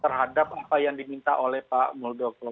terhadap apa yang diminta oleh pak muldoko